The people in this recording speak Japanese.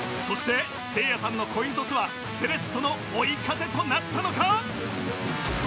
そしてせいやさんのコイントスはセレッソの追い風となったのか？